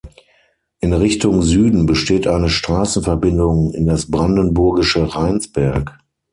In Richtung Süden besteht eine Straßenverbindung in das brandenburgische Rheinsberg.